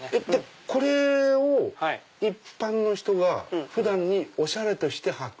これを一般の人が普段におしゃれとして履く？